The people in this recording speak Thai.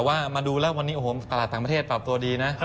แต่ว่ามาดูแล้ววันนี้โอ้โหตลาดต่างประเทศปรับตัวดีนะ